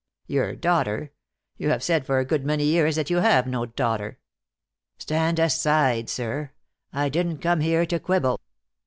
"Your daughter? You have said for a good many years that you have no daughter." "Stand aside, sir. I didn't come here to quibble."